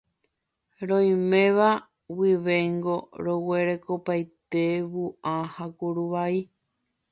Roiméva guivéngo roguerekopaite vua ha kuruvai.